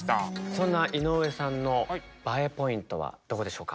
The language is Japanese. そんな井上さんのＢＡＥポイントはどこでしょうか？